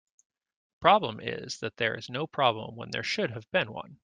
The problem is that there is no problem when there should have been one.